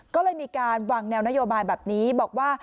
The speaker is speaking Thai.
ก็เลยมีการวางแนวนโยบายแบบนี้บอกว่า